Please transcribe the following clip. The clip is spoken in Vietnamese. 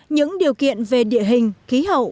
những điều kiện về địa hình khí hậu